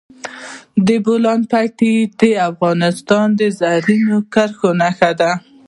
د بولان پټي د افغانستان د زرغونتیا نښه ده.